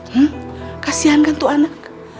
hmm kasihan kan tuh anak